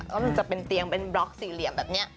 แล้วมันจะเป็นเตียงเป็นบล็อกสี่เหลี่ยมแบบนี้